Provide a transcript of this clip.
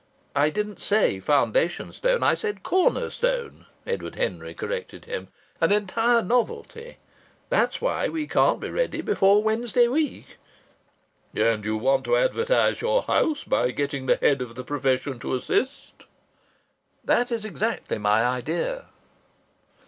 "I didn't say foundation stone. I said corners tone," Edward Henry corrected him. "An entire novelty! That's why we can't be ready before Wednesday week." "And you want to advertise your house by getting the head of the profession to assist?" "That is exactly my idea."